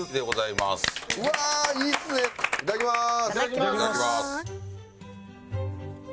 いただきます。